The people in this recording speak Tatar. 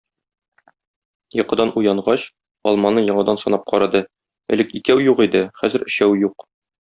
Йокыдан уянгач, алманы яңадан санап карады, элек икәү юк иде, хәзер өчәү юк.